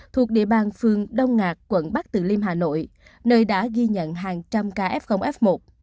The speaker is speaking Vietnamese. thuộc địa bàn phường đông ngạc quận bắc từ liêm hà nội nơi đã ghi nhận hàng trăm ca f f một